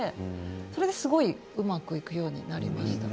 それですごくうまくいくようになりました。